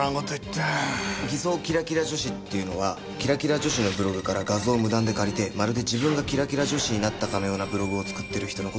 偽装キラキラ女子っていうのはキラキラ女子のブログから画像を無断で借りてまるで自分がキラキラ女子になったかのようなブログを作ってる人の事です。